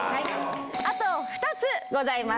あと２つございます。